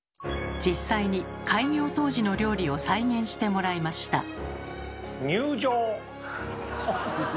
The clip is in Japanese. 実際に開業当時の料理を再現してもらいました。